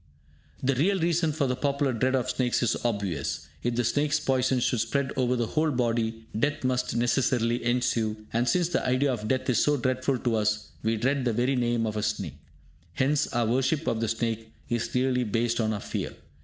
The real reason for the popular dread of snakes is obvious. If the snake's poison should spread over the whole body, death must necessarily ensue; and since the idea of death is so dreadful to us, we dread the very name of a snake. Hence, our worship of the snake is really based on our fear.